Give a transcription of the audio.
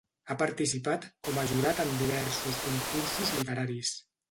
Ha participat com a jurat en diversos concursos literaris.